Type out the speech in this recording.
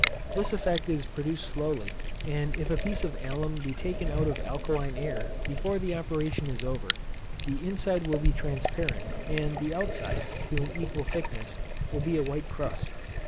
This effect is produced slowly; and if a piece of alum be taken out of alkaline air before the operation is over, the inside will be transparent, and the outside, to an equal thickness, will be a white crust.